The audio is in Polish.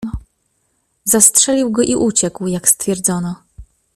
"Zastrzelił go i uciekł, jak stwierdzono."